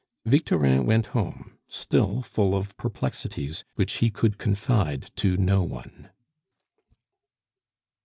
Victorin went home, still full of perplexities which he could confide to no one.